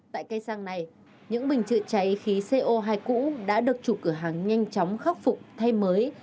tại cây xăng này những bình chữa cháy khí co hai cũ đã được chủ cửa hàng nhanh chóng khắc phục thay mới